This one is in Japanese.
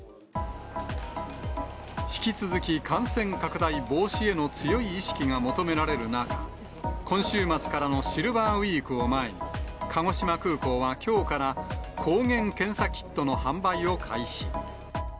引き続き感染拡大防止への強い意識が求められる中、今週末からのシルバーウィークを前に、鹿児島空港はきょうから、抗原検査キットの販売を開始。